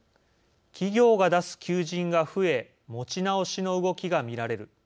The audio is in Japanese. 「企業が出す求人が増え持ち直しの動きが見られる」